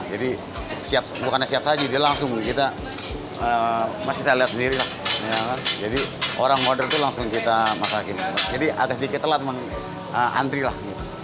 jadi bukannya siap saji dia langsung kita lihat sendiri jadi orang order itu langsung kita masakin jadi agak sedikit telat menantri lah